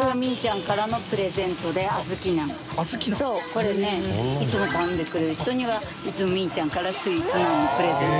海譴いつも頼んでくれる人にはい弔みぃちゃんからスイーツナンのプレゼント。